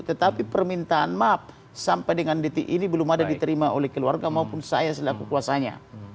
tetapi permintaan maaf sampai dengan detik ini belum ada diterima oleh keluarga maupun saya selaku kuasanya